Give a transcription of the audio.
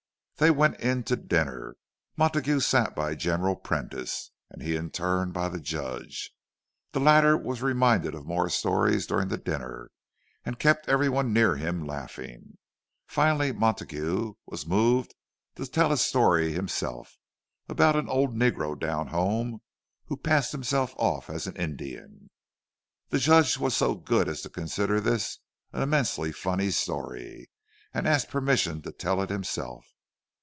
They went in to dinner. Montague sat by General Prentice, and he, in turn, by the Judge; the latter was reminded of more stories during the dinner, and kept every one near him laughing. Finally Montague was moved to tell a story himself—about an old negro down home, who passed himself off for an Indian. The Judge was so good as to consider this an immensely funny story, and asked permission to tell it himself.